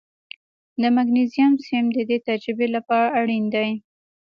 د مګنیزیم سیم د دې تجربې لپاره اړین دی.